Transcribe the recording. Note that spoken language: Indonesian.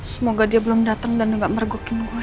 semoga dia belum dateng dan gak mergokin gue